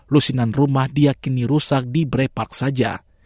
lusinan rumah diakini rusak di bray park saja